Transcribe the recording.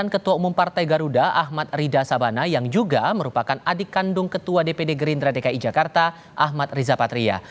ketua umum partai garuda ahmad rida sabana yang juga merupakan adik kandung ketua dpd gerindra dki jakarta ahmad riza patria